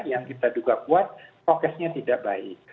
yang kita juga buat prokesnya tidak baik